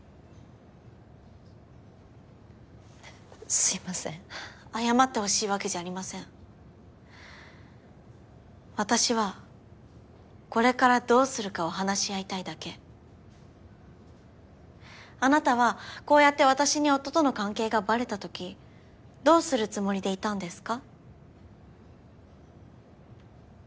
すいません謝ってほしいわけじゃありません私はこれからどうするかを話し合いたいだけあなたはこうやって私に夫との関係がバレた時どうするつもりでいたんですか？